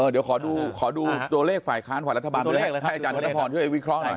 เดี๋ยวขอดูตัวเลขฝ่ายค้านฝ่ายรัฐบาลด้วยให้อาจารย์ธนพรช่วยวิเคราะห์หน่อย